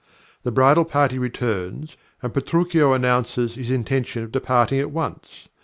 The bridal party returns, and Petruchio announces his intention of departing at once.